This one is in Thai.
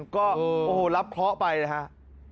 ก็โอ้โหรับเคราะห์ไปนะครับ